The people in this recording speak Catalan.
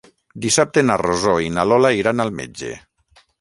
Dissabte na Rosó i na Lola iran al metge.